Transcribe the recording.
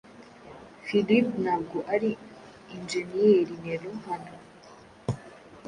Phillip ntabwo ari injeniyeriNero hano